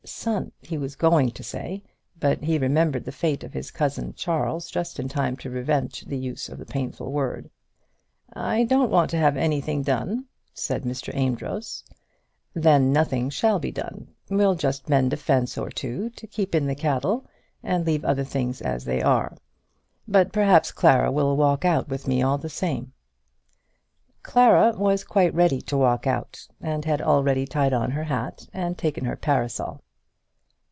"Son," he was going to say, but he remembered the fate of his cousin Charles just in time to prevent the use of the painful word. "I don't want to have anything done," said Mr. Amedroz. "Then nothing shall be done. We'll just mend a fence or two, to keep in the cattle, and leave other things as they are. But perhaps Clara will walk out with me all the same." Clara was quite ready to walk out, and had already tied on her hat and taken her parasol.